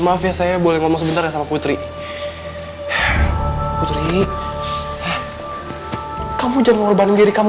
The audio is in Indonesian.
maaf ya saya boleh ngomong sebentar ya sama putri putri kamu jangan mengorban diri kamu